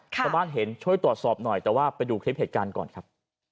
ชาวบ้านเห็นช่วยตรวจสอบหน่อยแต่ว่าไปดูคลิปเหตุการณ์ก่อนครับ